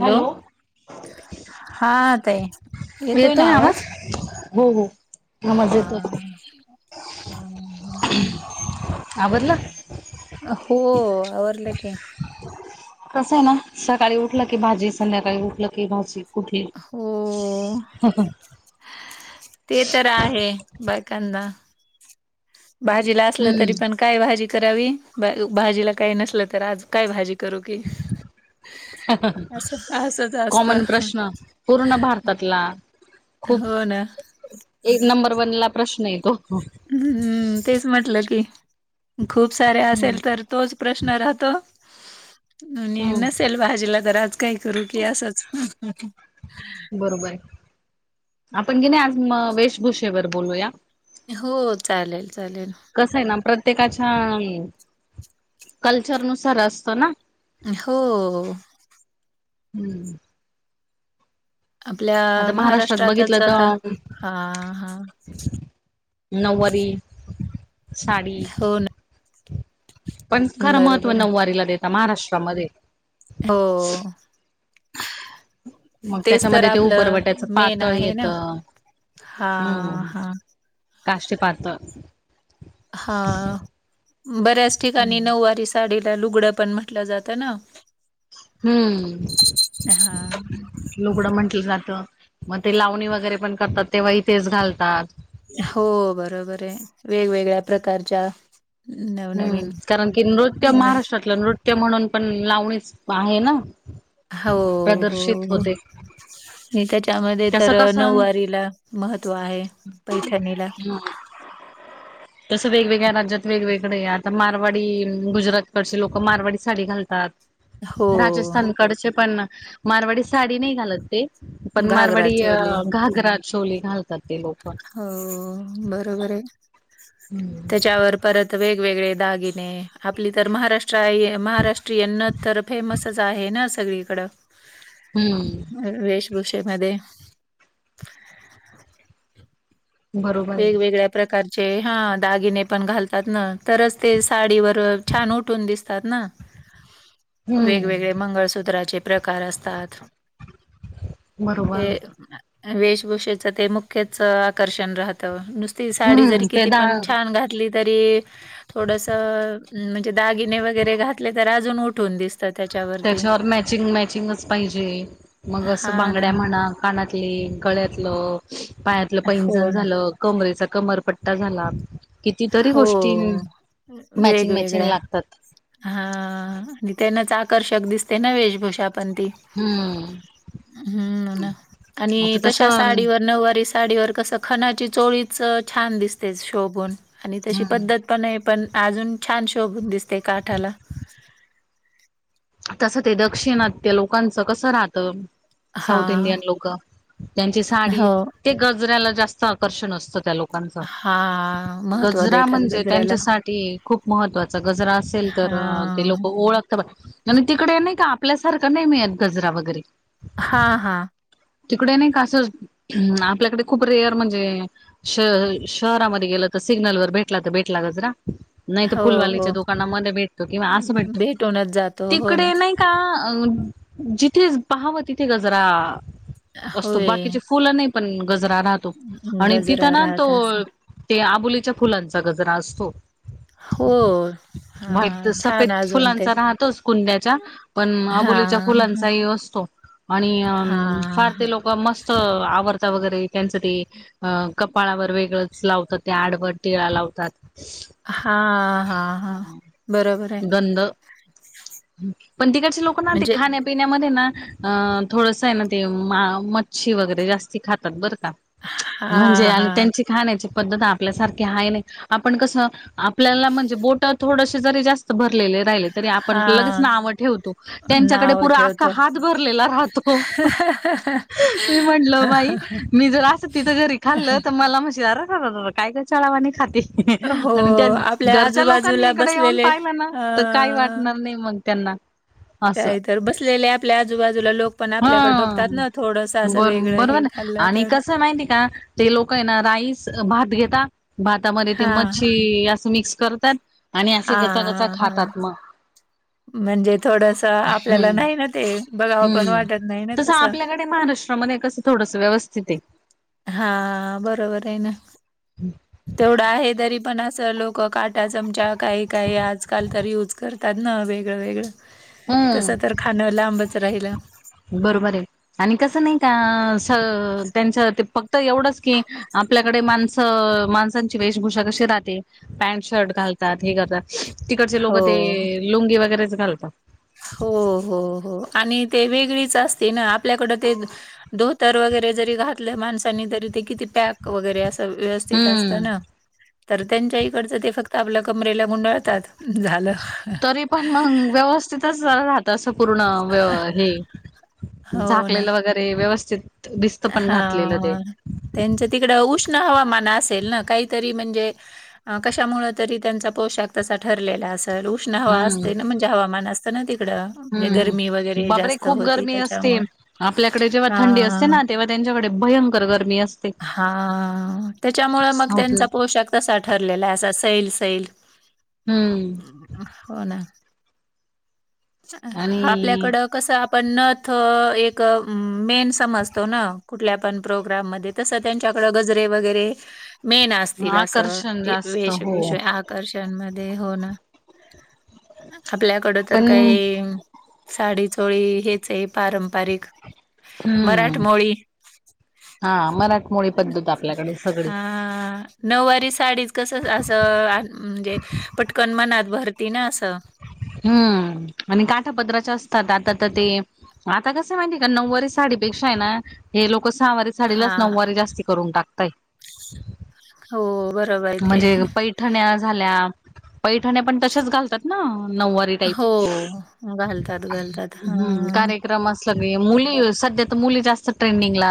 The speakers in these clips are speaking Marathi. हॅलो! हा ताई येतोय आवाज? हो हो. हा, आवाज येतोय. हम्. आवरलं? [inaudible] हो आवरलं की. कस आहे ना सकाळी उठलं की भाजी, संध्याकाळी उठलं की भाजी. कुठे, हो हा हा. ते तर आहे, बायकांना. भाजीला असलं तरी हम्म पण काय भाजी करावी, भाजीला काही नसल तर आज काय भाजी करू की. असं असंच असत कॉमन प्रश्न पूर्ण भारतातला. खूप हो ना. [inaudible] एक नंबर वन ला प्रश्न आहे तो. हम्म तेच म्हटलं की खूप सारे हम्म असेल तर तोच प्रश्न राहतो आणि हम्म नसेल भाजीला घराच काही करू की असंच. बरोबर आहे. आपण की नाही आज वेशभूषेवर बोलूया. हो चालेल चालेल. कसं आहे ना प्रत्येकाच्या कल्चरनुसार असतं ना. हो. हम्म. आपल्या आता महाराष्ट्रात बघितलं महाराष्ट्रातच आता तर हा हा. [inaudible] नऊवारी साडी. हो ना पण खरं महत्त्व बरोबर नऊवारीला देता महाराष्ट्रामध्ये. हो. मग तेच तर त्याच्यामध्ये ते आपलं उपरवट्याचं मेन पातळ आहे ना. येतं हा हा. राष्ट्रपात. हा, बऱ्याच ठिकाणी नऊवारी साडीला लुगडं पण म्हटलं जातं ना. हम्म. हा लुगडं म्हंटलं जातं मग ते लावणी वगैरे पण करतात तेव्हाही थेच घालतात. हो बरोबर आहे, वेगवेगळ्या प्रकारच्या. नवनवीन हम्म कारण कि नृत्य घा महाराष्ट्रातलं नृत्य म्हणून पण लावणीच आहे ना. हो हो प्रदर्शित हो. होते आणि त्याच्यामध्ये त्याचं तर कसं नऊवारीला महत्व आहे पैचानीला. [inaudible] तसं वेगवेगळ्या राज्यात वेगवेगळ्या डे, आता मारवाडी गुजरात कडचे लोक मारवाडी साडी घालतात. हो राजस्थानकडचे पण मारवाडी साडी नाही घालत ते. पण घागरा मारवाडी अ चोली घागरा, चोली घालतात ते लोक. हो बरोबर आहे. त्याच्यावर परत वेगवेगळे दागिने, आपली तर महाराष्ट्र महाराष्ट्रीयन तर फेमसच आहे ना सगळीकडं. हम्म. व-वेश भूषेमध्ये. बरोबर आहे वेगवेगळ्या प्रकारचे, हां दागिने, पण घालतात ना, तरच ते साडीवर, छान उठून दिसतात ना. [inaudible] वेग-वेगळे हम्म मंगळसूत्राचे, प्रकार असतात. बरोबर हे, वेशभूषेच ते, मुख्यच आकर्षण राह त, नुसती साडी जरी हम्म ते किती दा पण, छान घा तली, तरी थोडस, म्हणजे दागिने वगैरे घातले, तर अजून उठून दिस त्याच्यावर मॅचिंग-मॅचिंगच पाहिजे, मग हा असं ना बांगड्या म्हणा कानातले, गळ्यातलं, पायातलं पैंजण हो ना. झालं. कमरेचा, कमरपट्टा झाला. कितीतरी हो गोष्टी, मॅचिंग-मॅचिंग वेगवेगळ्या लागतात. हा आणी तेनाच, आकर्षक दिसते ना, वेशभूषा पण ती. हम्म ह् ना, आणि आता तशा तसं साडीवर नववारी सा डीवर कसं, खनाची चोळीच, छान दिसतेच, शोभून. आणि तशी हम्म पद्धत पण ये पण, अजून छान शोभून दिसते, काठाला. तसं ते दक्षिणात्य, लोकांचं कसं राहत? साऊथ इंडियन हा. लोकं, त्यांची साडी हो ते गजऱ्याला जास्त आकर्षण असतं, त्या लोक कंचं, हा महत्त्व गजरा, देतात म्हणजे गजऱ्याला त्यांच्यासाठी, खूप महत्त्वा च, गजरा असेल तर, ते हा. लोक ओळख [unintelligible] आणि तिकडे नाही का, आपल्यासारखं नही मिळत, गजरा वगैरे. हां हां. तिकडे नही का असं, आपल्याकडे खूप रेअर, म्हणजे श-शहरामध्ये गेलं तर, सिग्नल वर भेटला तर भेटला, गजरा. नाही तर, हो फुलवालीच्या दुकानामध्ये भेटतो, किंवा असं भेटतो. तोंडात जात तिकडे नही का, जिथे पहावं, तिथे गजरा असतो, होय बाकीचे फुलं नाही पण, गजरा राहतो, आणि गजरा तिथं ना, राहत असे. तो ते, आबोलीच्या फुलांचा, गजरा असतो. हो. व्हाईट त हां, सफेद छान अजून ते फुलांचा, राहतोच. कुंदयाच्या, पण अबोलीच्या हां, फुलांचाहीं असतो, आणि हां, हां, फार ते लोक मस्त आवरता वगैरे, त्यांचं ते अ कपाळावर वेगळंच लावतात, ते आडवा टिळा लावतात. हा हा हा, बरोबर ये. गंध पण तिकडचे लोकं ना, ते म्हणजे खाण्या पिण्यामध्ये ना, अ थोडस ये ना ते, मा-मच्छी वगैरे, जास्ती खातात, बरं का. म्हणजे हां, आणि हां, त्यांची खाण्याची पद्धत, आपल्यासारखी आहे नही, आपण कसं आपल्याला, म्हणजे बोट थोडशी जरी जास्त भरलेले राहिले तरी, आपण लगेच हां, नाव ठेवतो, त्यांच्याकडे नाव पुरा आक्खा ठेवतो. हात, भरलेला राहतो. हो, मी म्हटलं बाई, मी जर अस तिथं घरी, खाल्ल त, मला म्हणशील अरररांरा काय गचाळ वाणी खाते. हो, आणि त्या, आपल्या घरच्या लोकांनी, आजूबाजूला इकडे येऊन, बसलेले पाहिलं ना, अ, तर काय वाट नही मग, त्यांना काही तर बसलेले आपल्या आजूबाजूला लोक पण आपल्याकडे हा बघतात ना थोडस असं बर वेगळ. बरोबर ना आणि कसं माहिती का. ते लोक आहे ना राईस भात घेतात भातामध्ये ते हां, हां, मच्छी असं मिक्स करतात आणि असे कचा कसा हां, हां. खातात मग. म्हणजे थोडस. ह आपल्याला नाही ना ते बघावं पण हम्म वाटत नाही ना तस तसं आपल्याकडे महाराष्ट्रामध्ये कस थोडस व्यवस्थ. तिथे. हा बरोबर आहे ना तेवढं आहे तरी. पण असं लोकं काटा चमचा काही काही आजकाल तर यूज करतात ना वेगळंळ तस हम्म तर खाण लांबच राहिलं बरोबर आहे आणि कसं नाही का त्यांचं ते प तर एवढंच की आपल्याकडे माणसं माणसांची वेशभूषा कशी राहते पॅन्ट शर्ट घालतात हे करतात तिकडचे लोक हो ते लुंगी वगैरेच घालता हो हो हो आणि ते वेगळीच असते ना आपल्याकडं ते धोतर वगैरे जरी घातलं माणसानी तरी ते किती पॅक वगैरे असं व्यवस्थित असतं हम्म ना तर त्यांच्या इकडचं ते फक्त आपल्या कमरेला गुंडळतात झालं तरी पण मग व्यवस्थितच राहत असं पूर्ण व्य हे. हो ना. झाकलेलं वगैरे व्यवस्थित दिसत पण घातलेलं ते हां. त्यांचं तिकड उष्ण हवामान असेल ना काहीतरी म्हणजे कशामुळे तरी त्यांचा पोशाख तसा ठरलेला असेल तक्ष्ण हवा असते ना म्हणजे हवामान असतं ना तिकडं म्हणजे हम्म गरमी हम्म वगैरे बाप रे जास्त खूप होते गरमी असते त्याच्यामुळे. आपल्याकडे जेव्हा थंडी असते हां, ना तेव्हा त्यांच्याकडे भयंकर गर्मी असते. हा त्याच्यामुळे मग साऊथला त्यांचा पोशाख कसा ठरलेला असा सैल सैल हम्म हो ना आणि आपल्याकडं कस आपण नथ एक मेन समज तोना कुठल्या पण प्रोग्राम म तस त्यांच्याकडे गजरे वगैरे मेन असतील असं आकर्षण जास्त हो वेशभूषा आकर्षण मध्ये हो ना आपल्याकड तर पण काही साडी चोळी हेच आहे पारंपरिक हम्म मराठमोळी हा मराठी हा. नऊवारी साडीच कसं असं म्हणजे पटकन मनात भरती ना असं हम्म आणि काठापदराच्या असतात आता आ तर ते आता कस माहिती आहे का नऊवारी साडीपेक्षा आहे ना हे लोक सहावारी हा साडीलाच नऊवारीे जास्ती करून टाकताय हो बरोबर आहे ते ठण्या झाल्या पैठण्या पण तशच घालतात ना नऊवार हो घालतात घालतात हम्म हा कारे विक्रम असलं क मुली सध्या तर मुली जास्त ट्रेंडिंगला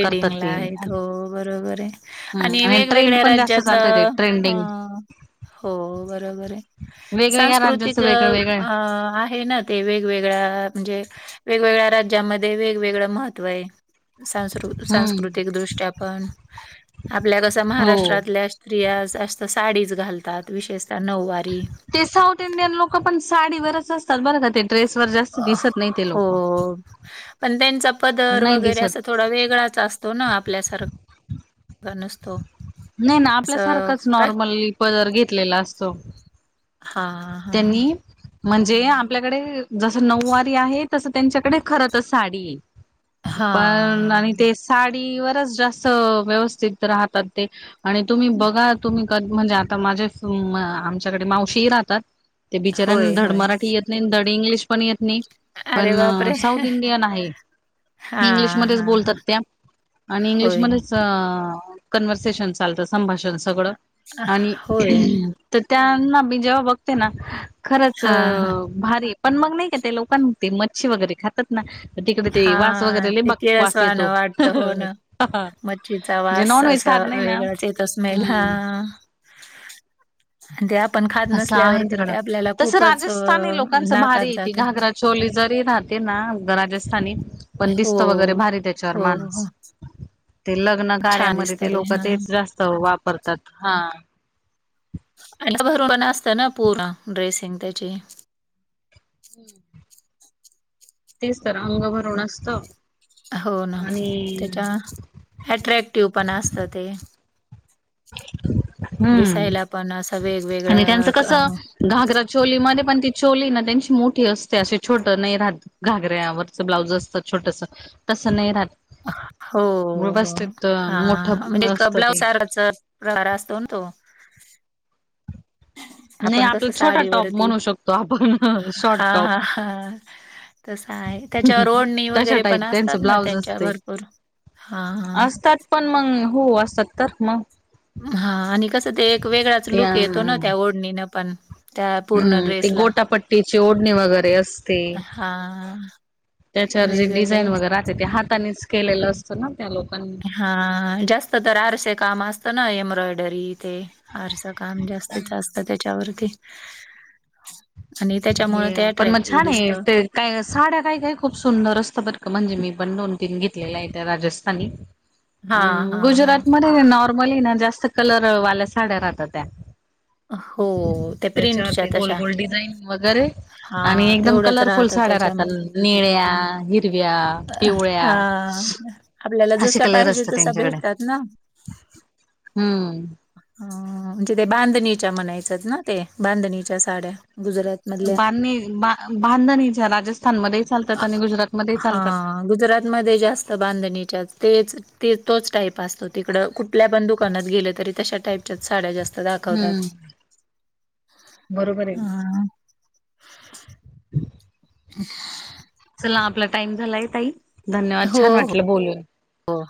करतात ला ते आहेत हो हम्म बरोबर आहे आणि ट्रेंड वेगवेगळ्या पण जास्त राज्याचा चालतय ते अ ट्रेंडिंग हो बरोबर आहे वेगवेगळ्या राज्याचं सांस्कृतिक वेगळं वेगळं आहे ना ते वेगवेगळ्या म्हणजे वेगवेगळ्या राज्यामध्ये वेगवेगळं महत्व आहे. संस्कृ हम्म सांस्कृतिक दृष्ट्या पण आपल्या कस हो महाराष्ट्रातल्या स्त्रिया जास्त साडीज घालतात विशेषतः नऊवारी ते साऊथ इंडियन लोक पण साडीवरच असतात बरं का ते [unintelligible] नाही ते हो लोक. पण त्यांचा पदर नाही वगैरे दिसत अस थोडा वेगळाच असतो ना आपल्यासारखा नसतो नाही ना असं आपल्यासारखच काय नॉर्मल पदर घेतलेला असतो. हा हा हा त्यांनी म्हणजे आपल्याकडे जसं नऊवारी आहे तसं त्यांच्याकडे खर तर साडी ये. हां, पण आणि हां. ते साडीवरच जास्त व्यवस्थित राहतात ते. आणि तुम्ही बघा तुम्ही क म्हणजे आता माझे आमच्याकडे मावशी राहतात ते बिचारऱ्यांना होय, धड होय. मराठी येत नाही धड इंग्लिश पण येत नाही अरे पण बापरे! साऊथ इंडियन आहे हां, इंग्लिशमध्येच हां. हां. बोलतात त्या आणि होय, इंग्लिशमध्येच अ कन्वर्सेशन चालतं संभाषण सगळं आणि होय. तर त्यांना मी जेव्हा बघते ना खरंच हां, हां. भारी पण मग नाही का ते लोकांन मध्ये मच्ची वगैरे खात तिकडे ते वास हां, वगैरे ते बघ वास येतो किळसवाणं हा वाटतं. हो ना. हं हं मच्छीचा वास असा वेगळाच येत स्मेल हा हम्म हा [unintelligible] असं आहे नसल्यावर तर तिकडं ते आपल्याला तस खूपच अ, राजस्थानी लोकांच नाकात भारी येत जातं. घाघरा चोली जरी राहते ना राजस्थानीत पण हो, दिसतं वगैरे भारी त्याच्यावर हो, हो. माणूस ते लग्न छान कार्यामध्ये दिसतं ते लोक हां. तेच जास्त वापरतात ह [unintelligible] भर पण असतं ना पूर्ण ड्रेसिंग त्याची हम्म तेच तर अंग भरून असत हो ना आणि त्याच्या अट्रॅक्टिव्ह पण असत ते हम्म दिसायला पण असा आणि वेगवेगळ्या त्यांचं अ कसं घागरा चोलीमध्ये पण ती चोली ना त्यांची मोठी असते असे छोट नाही राहत घागऱ्यावरच ब्लाउज असतात छोटस तसं नाही राहत हो व्यवस्थित हा मोठ म्हणजे असत ब्लाऊज ते साराच [unintelligible] प्रहारा असतो ना तो नाही आपण आपला कसं छोटा टॉप साडीवरती म्हणू शकतो आपण शॉर्ट हा टॉप ह ह तस आहे त्याच्यावर ओडणी तशा वगैरे पण टाईप असतात त्यांचं ना ब्लाउज त्यांच्या असते भरपूर हा हा असतात पण मग हो असतात तर मग हा आणि कसं ते एक वेगळाच ते लुक येतो ना त्या ओढणीनं पण. त्या पूर्ण हम्म ते ड्रेसला गोटापट्टीची ओढणी वगैरे असते हां त्याच्यावर जे डिझाईन वेगवेगळे वगैरेते ते हातानेच केलेलं असतं ना त्या लोकांनी हा जास्त तर आरसे काम असत ना एम्ब्रॉयडरी ते हरं काम जास्तीत जास्त त्याच्यावरती आणि [unintelligible] ते हम्म पण मग अट्रॅक्टिव्ह छान दिसतं. ते काय साड्या काय काय खूप सुंदर असतं बर क म्हणजे मी पण दोन तीन घेतलेल्या आहे त्या राजस्थानी हां हां हां. गुजरात मध्ये नॉर्मली ना जास्त कलरवाल्या साड्या राहतात त्या. हो, त्या त्याच्या प्रिंटच्या ते गोल तशा. गोल डिझाईन वगैरे आणि हां, एकदम तेवढंच कलरफुल राहतं साड्या राहतात त्याच्यामध्ये. निळ्या, हिरव्या, पिवळ्या हां, आपल्याला असे जशा कलर पाहिजे असतात तशा त्यांच्याकडे भेटतात ना. हम्म. ह म्हणजे ते बांधणीच्या म्हणायचात ना ते बांधणीच्या साड्या गुजरात बांधणी बांधणी ज्या राजस्थानमध्ये ही चालतात अ, आणि गुजरातमध्ये ही चालतात. हां, गुजरातमध्ये जास्त बांधणीच्या तेच ते तोच टाईप असतो तिकड कुठल्या पण दुकानात गेलं तरी तशा टाईप च्याच साड्या जास्त हम्म दाखवतात. बरोबर आहे. हां. [inaudible] चला आपला टाइम झालाय ताई. धन्यवाद हो, छान हो, वाटलं बोलून हो,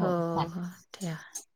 हो. [unintelligible]